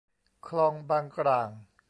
คลองบางกร่าง